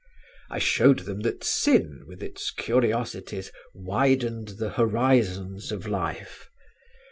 I showed them that sin with its curiosities widened the horizons of life.